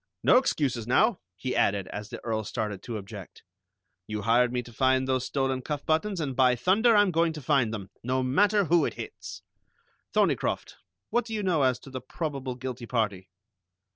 No excuses, now," he added, as the Earl started to object. "You hired me to find those stolen cuff buttons, and by thunder, I'm going to find them, no matter who it hits! Thorneycroft, what do you know as to the probable guilty party?"